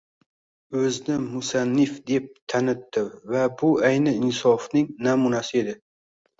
o‘zni musannif deb tanitdi va bu ayni insofning namunasi edi.